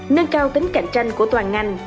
nâng cao tính cạnh tranh của toàn ngành